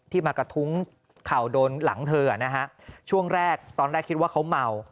มากระทุ้งเข่าโดนหลังเธอนะฮะช่วงแรกตอนแรกคิดว่าเขาเมา